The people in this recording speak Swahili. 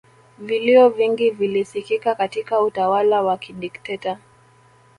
vilio vingi vilisikika katika utawala wa kidikteta